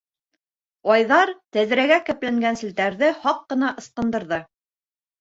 Айҙар тәҙрәгә кәпләнгән селтәрҙе һаҡ ҡына ысҡындырҙы.